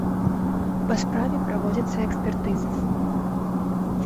Па справе праводзяцца экспертызы.